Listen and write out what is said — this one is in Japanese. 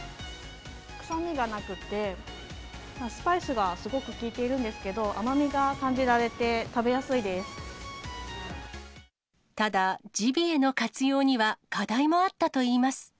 臭みがなくて、スパイスがすごく効いているんですけど、甘みが感じられて、ただ、ジビエの活用には課題もあったといいます。